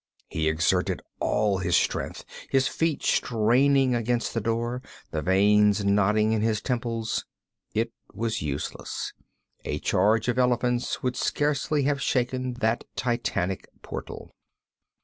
He exerted all his strength, his feet straining against the door, the veins knotting in his temples. It was useless; a charge of elephants would scarcely have shaken that titanic portal.